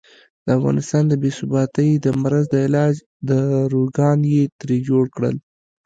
د افغانستان د بې ثباتۍ د مرض د علاج داروګان یې ترې جوړ کړل.